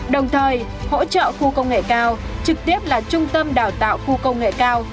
đồng thời hỗ trợ khu công nghệ cao